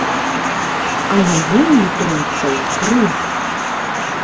А яе ў літоўцаў тры!